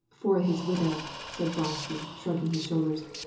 "For the widow," said Vronsky, shrugging his shoulders.